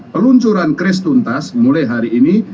peluncuran kris tuntas mulai hari ini